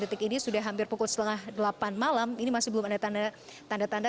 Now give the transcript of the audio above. titik ini sudah hampir pukul setengah delapan malam ini masih belum ada tanda tanda